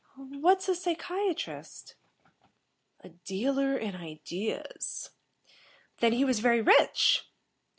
"What's a psychiatrist?" "A dealer in ideas." "Then, he was very rich?"